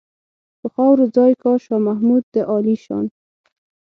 په خاورو ځای کا شاه محمود د عالیشان.